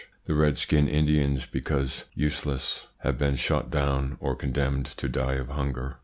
The Redskin Indians, because useless, have been shot down, or condemned to die of hunger.